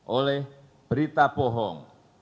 oleh berita bohong